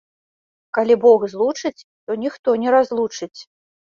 Калі Бог злучыць, то ніхто не разлучыць